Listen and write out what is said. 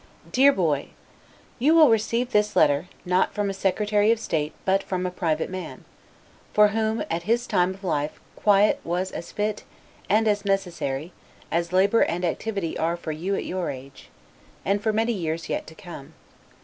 DEAR BOY: You will receive this letter, not from a Secretary of State but from a private man; for whom, at his time of life, quiet was as fit, and as necessary, as labor and activity are for you at your age, and for many years yet to come.